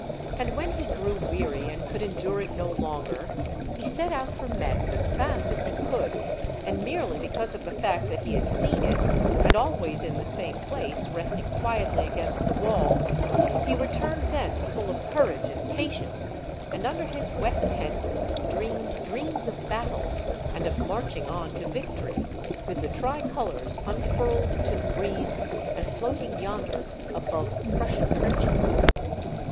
And when he grew weary and could endure it no longer, he set out for Metz as fast as he could, and merely because of the fact that he had seen it, and always in the same place, resting quietly against the wall, he returned thence full of courage and patience, and under his wet tent dreamed dreams of battle and of marching on to victory, with the tricolors un furled to the breeze, and floating yonder above the Prussian trenches.